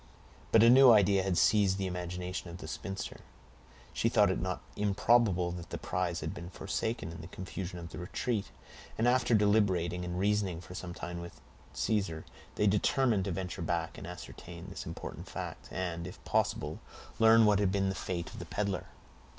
But a new idea had seized the imagination of the spinster. She thought it not improbable that the prize had been forsaken in the confusion of the retreat; and after deliberating and reasoning for some time with Caesar, they determined to venture back, and ascertain this important fact, and, if possible, learn what had been the fate of the peddler.